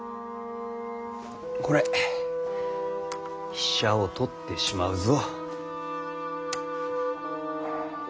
ほれ飛車を取ってしまうぞ。